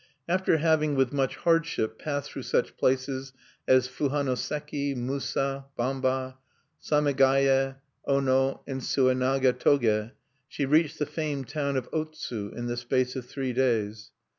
After having, with much hardship, passed through such places as Fuhanoseki, Musa, Bamba, Samegaye, Ono, and Suenaga toge, she reached the famed town of Otsu, in the space of three days.